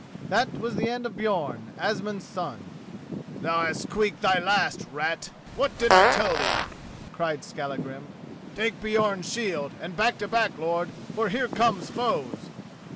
That was the end of Björn, Asmund's son. "Thou hast squeaked thy last, rat! What did I tell thee?" cried Skallagrim. "Take Björn's shield and back to back, lord, for here come foes."